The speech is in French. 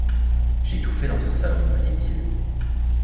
J’étouffais dans ce salon, me dit-il.